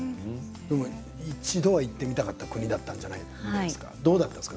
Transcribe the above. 一度は行ってみたかった国だったじゃないですかどうでしたか？